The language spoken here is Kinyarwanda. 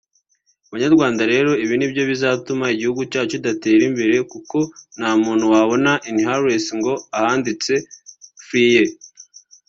Banyarwanda rero ibi nibyo bizatuma igihugu cyacu kidatera imbere kuko nta muntu wabona inhalers ngo ahanditse fr ye